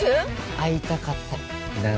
会いたかったよ。